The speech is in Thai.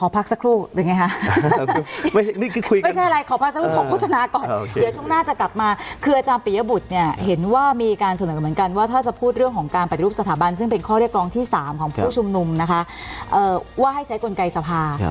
ปี่ยบุริกรองที่๓ของผู้ชุมลุมนะคะว่าให้ใช้ตนไกลสภา